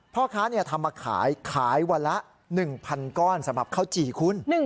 พ่อค้าทำมาขายขายวันละ๑๐๐๐ก้อนสำหรับข้าวจี่คุณ